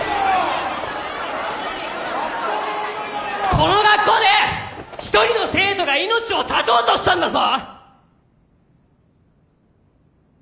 この学校で一人の生徒が命を絶とうとしたんだぞ！